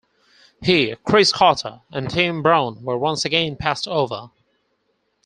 He, Cris Carter, and Tim Brown were once again passed over.